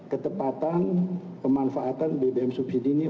ketepatan pemanfaatan bbm subsidi ini